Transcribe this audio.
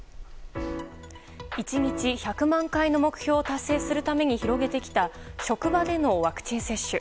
１日１００万回の目標を達成するために広げてきた職場でのワクチン接種。